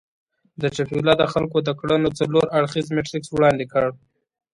چیپولا د خلکو د کړنو څلور اړخييز میټریکس وړاندې کړ.